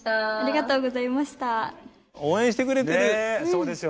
そうですよね。